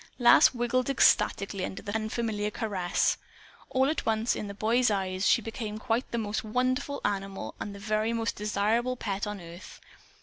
Lass wiggled ecstatically under the unfamiliar caress. All at once, in the boy's eyes, she became quite the most wonderful animal and the very most desirable pet on earth.